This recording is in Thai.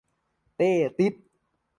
เต-ติ๊ด !